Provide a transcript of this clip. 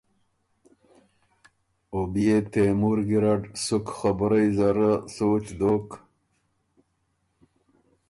او بيې تېمُور ګیرډ سُک خبُرئ زر سوچ دوک۔